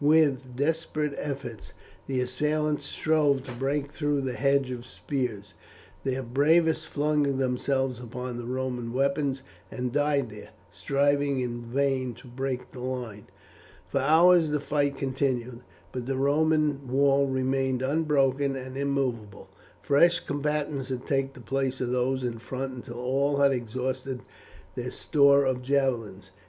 With desperate efforts the assailants strove to break through the hedge of spears; their bravest flung themselves upon the Roman weapons and died there, striving in vain to break the line. For hours the fight continued, but the Roman wall remained unbroken and immovable. Fresh combatants had taken the place of those in front until all had exhausted their store of javelins.